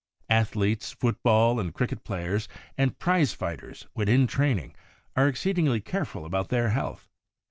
Athletes, football and cricket players, and prize fighters when in training, are exceedingly careful about their health.